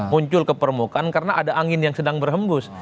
muncul ke permukaan karena ada angin yang sedang berhembus